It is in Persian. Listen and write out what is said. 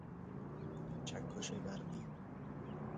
چکش برقی